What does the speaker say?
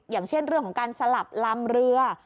อย่างเช่นเรื่องของการสลับลำเรือ